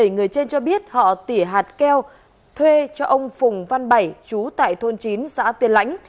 bảy người trên cho biết họ tỉa hạt keo thuê cho ông phùng văn bảy chú tại thôn chín xã tiên lãnh